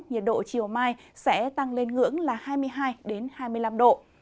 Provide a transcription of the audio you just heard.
nhiệt độ chiều mai sẽ tăng lên ngưỡng là hai mươi hai hai mươi năm độ